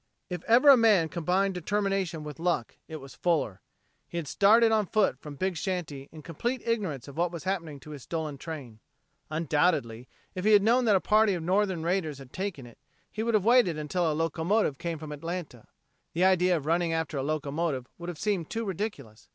If ever a man combined determination with luck it was Fuller. He had started on foot from Big Shanty in complete ignorance of what was happening to his stolen train. Undoubtedly, if he had known that a party of Northern raiders had taken it, he would have waited until a locomotive came from Atlanta. The idea of running after a locomotive would have seemed too ridiculous.